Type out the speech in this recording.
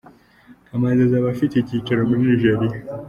Kamanzi azaba afite icyicaro muri Nigeria.